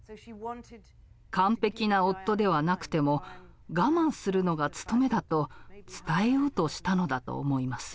完璧な夫ではなくても我慢するのが務めだと伝えようとしたのだと思います。